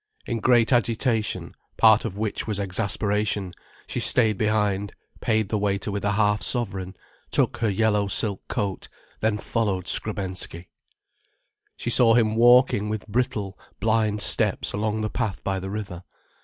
In great agitation, part of which was exasperation, she stayed behind, paid the waiter with a half sovereign, took her yellow silk coat, then followed Skrebensky. She saw him walking with brittle, blind steps along the path by the river.